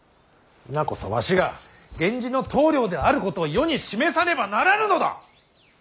今こそわしが源氏の棟梁であることを世に示さねばならぬのだ！